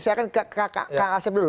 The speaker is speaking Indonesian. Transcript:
saya akan ke kang asep dulu